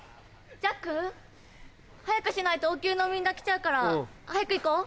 ジャック早くしないと王宮のみんな来ちゃうから早く行こう。